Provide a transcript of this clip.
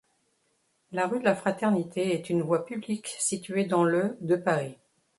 La rue de la Fraternité est une voie publique située dans le de Paris.